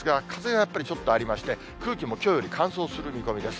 やっぱりちょっとありまして、空気もきょうより乾燥する見込みです。